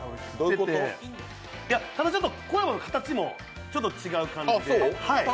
ただ、ちょっとコラボの形もちょっと違う形で。